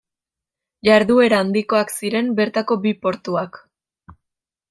Jarduera handikoak ziren bertako bi portuak.